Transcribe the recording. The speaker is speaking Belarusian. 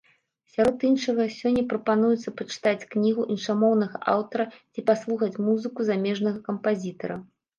Сярод іншага, сёння прапануецца пачытаць кнігу іншамоўнага аўтара ці паслухаць музыку замежнага кампазітара.